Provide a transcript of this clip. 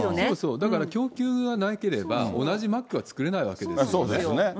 そうそう、だから供給がなければ、同じマックは作れないわけですよね。